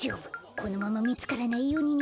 このままみつからないようににげよう。